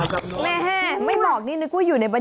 หมอกิตติวัตรว่ายังไงบ้างมาเป็นผู้ทานที่นี่แล้วอยากรู้สึกยังไงบ้าง